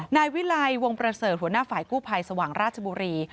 นายวิลัยวงประเสริฐหัวหน้าฝ่ายกู้ภัยสว่างราชบุรี